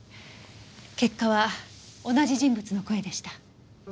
結果は同じ人物の声でした。